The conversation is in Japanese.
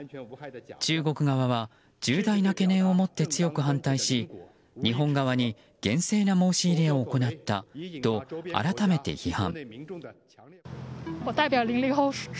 中国側は重大な懸念を持って強く反対し日本側に厳正な申し入れを行ったと改めて批判。